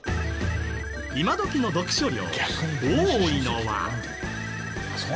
今どきの読書量多いのは。